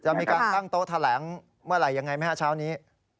มีการตั้งโต๊ะแถลงเมื่อไหร่ยังไงไหมฮะเช้านี้